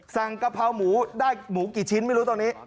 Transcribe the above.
กะเพราหมูได้หมูกี่ชิ้นไม่รู้ตอนนี้